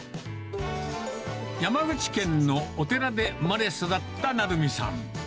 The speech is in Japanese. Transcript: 山口県のお寺で生まれ育った成美さん。